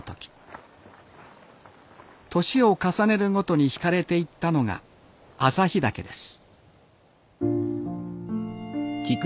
年を重ねるごとに惹かれていったのが朝日岳です。